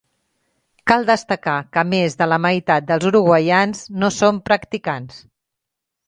Cal destacar que més de la meitat dels uruguaians no són practicants.